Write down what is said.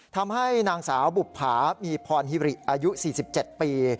ทำให้นางสาวบุภามีพรฮิริอายุ๔๗ปี